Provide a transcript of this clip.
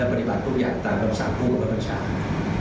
และปฏิบัติทุกอย่างตามรักษาผู้มันประชา